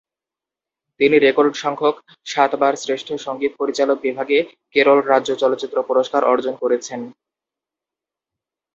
তিনি রেকর্ড সংখ্যক সাতবার শ্রেষ্ঠ সঙ্গীত পরিচালক বিভাগে কেরল রাজ্য চলচ্চিত্র পুরস্কার অর্জন করেছেন।